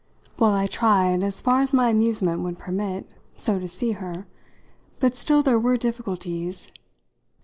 Well, I tried, as far as my amusement would permit, so to see her; but still there were difficulties.